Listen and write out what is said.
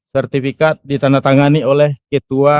sertifikat ditandatangani oleh ketua dan ketua